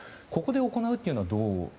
ここで行うというのは。